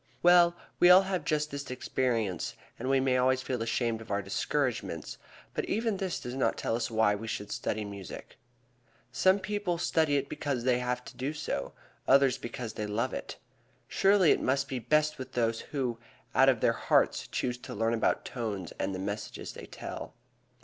Well, we all have just this experience and we always feel ashamed of our discouragements; but even this does not tell us why we should study music. Some people study it because they have to do so; others because they love it. Surely it must be best with those who out of their hearts choose to learn about tones and the messages they tell.